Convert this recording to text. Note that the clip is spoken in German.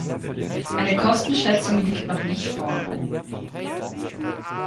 Eine Kostenschätzung liegt noch nicht vor.